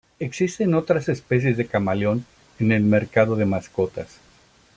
Existen otras especies de camaleón en el mercado de mascotas.